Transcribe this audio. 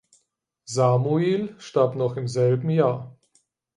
Samuil starb noch im selben Jahr.